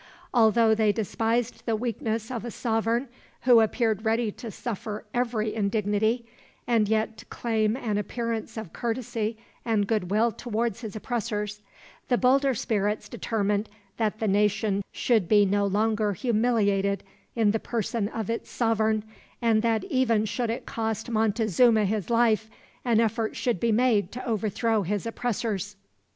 Although they despised the weakness of a sovereign who appeared ready to suffer every indignity, and yet to claim an appearance of courtesy and goodwill towards his oppressors, the bolder spirits determined that the nation should be no longer humiliated in the person of its sovereign, and that even should it cost Montezuma his life, an effort should be made to overthrow his oppressors.